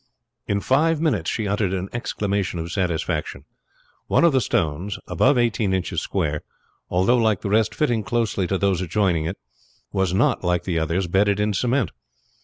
In five minutes she uttered an exclamation of satisfaction. One of the stones, above eighteen inches square, although like the rest fitting closely to those adjoining it, was not, like the others, bedded in cement.